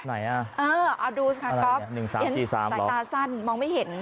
ไหนอ่ะเออเอาดูค่ะก๊อปใส่ตาสั้นมองไม่เห็น